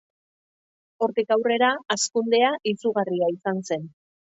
Hortik aurrera, hazkundea izugarria izan zen.